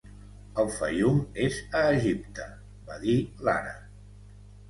"El Faium és a Egipte" va dir l'àrab.